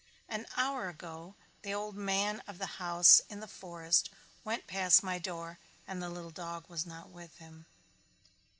An hour ago the old man of the house in the forest went past my door and the little dog was not with him.